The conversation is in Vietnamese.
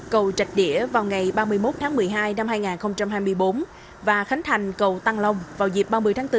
cầu trạch đĩa vào ngày ba mươi một tháng một mươi hai năm hai nghìn hai mươi bốn và khánh thành cầu tăng long vào dịp ba mươi tháng bốn